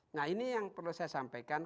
nah ini yang perlu saya sampaikan